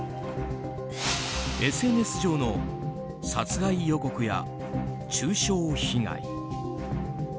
ＳＮＳ上の殺害予告や中傷被害。